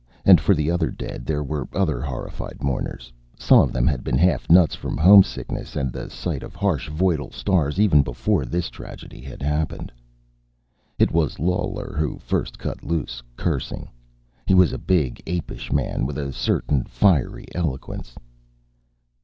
And for the other dead, there were other horrified mourners. Some of them had been half nuts from homesickness, and the sight of harsh, voidal stars, even before this tragedy had happened. It was Lawler who first cut loose, cursing. He was a big, apish man, with a certain fiery eloquence.